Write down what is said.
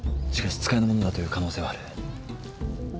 しかし使いの者だという可能性はある。